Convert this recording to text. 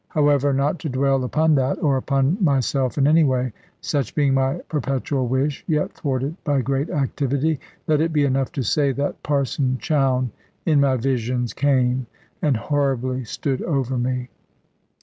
However, not to dwell upon that, or upon myself in any way such being my perpetual wish, yet thwarted by great activity let it be enough to say that Parson Chowne in my visions came and horribly stood over me.